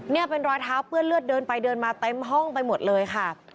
นี่เป็นรอยเท้าเปื้อนเลือดเดินไปเดินมาเต็มห้องไปหมดเลยค่ะ